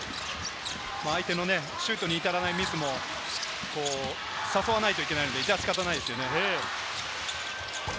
相手のシュートに至らないミスも誘わないといけないので致し方ないですね。